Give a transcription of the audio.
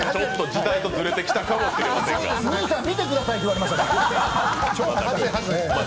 時代とずれてきたかもしれません。